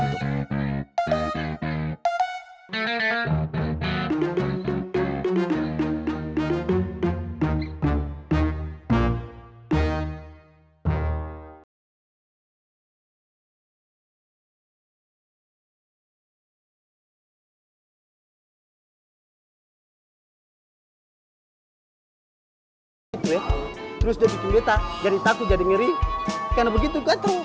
terus jadi kita jadi takut jadi miring karena begitu